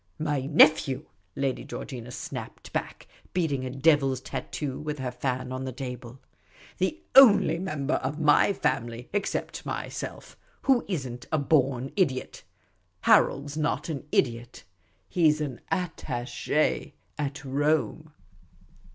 " My nephew," Lady Georgina snapped back, beating a devil's tattoo with her fan on the table. " The only member of my family, except myself, who is n' t a born idiot. Harold 's not an idiot ; he 's an attache at Rome."